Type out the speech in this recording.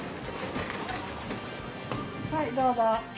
はいどうぞ。